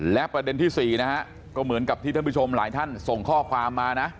และประเด็นที่๔นะฮะก็เหมือนกับที่ท่านผู้ชมหลายท่านส่งข้อความมานะ